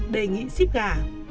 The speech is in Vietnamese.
đề nghị xếp gà